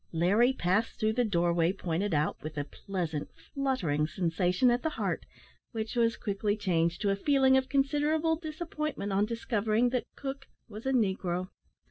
Larry passed through the doorway pointed out with a pleasant, fluttering sensation at the heart, which was quickly changed to a feeling of considerable disappointment on discovering that "cook" was a negro.